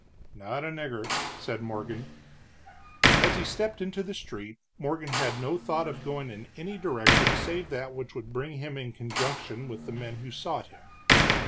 "Not a nigger," said Morgan. As he stepped into the street, Morgan had no thought of going in any direction save that which would bring him in conjunction with the men who sought him.